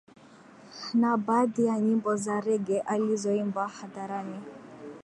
Na baadhi ya nyimbo za rege alizoimba hadharani